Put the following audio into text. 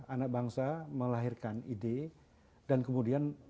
anak bangsa melahirkan ide dan kemudian